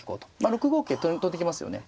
６五桂跳んできますよね。